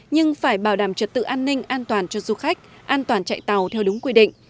nhưng phải bảo đảm trật tự an ninh an toàn cho du khách an toàn chạy tàu theo đúng quy định